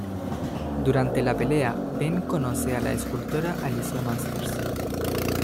Durante la pelea Ben conoce a la escultora Alicia Masters.